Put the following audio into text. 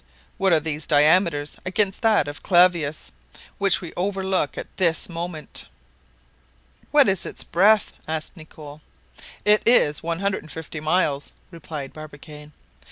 What are these diameters against that of Clavius, which we overlook at this moment?" "What is its breadth?" asked Nicholl. "It is 150 miles," replied Barbicane.